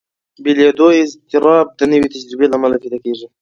بېلېدو اضطراب د نوې تجربې له امله پیدا کېږي.